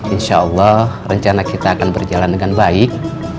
insya allah rencana kita akan berjalan dengan baik